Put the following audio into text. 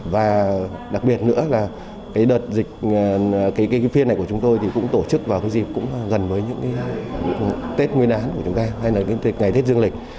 và đặc biệt nữa là cái phiên này của chúng tôi cũng tổ chức vào cái dịp gần với những cái tết nguyên án của chúng ta hay là ngày tết dương lịch